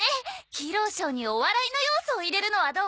ヒーローショーにお笑いの要素を入れるのはどう？